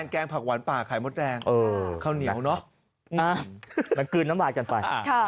แกงผักหวานป่าไข่มดแดงข้าวเหนียวเนอะมันกลืนน้ำลายกันไป